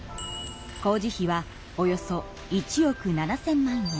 工事費はおよそ１億７，０００万円。